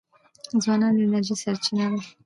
ځوانان د انرژی سرچینه دي.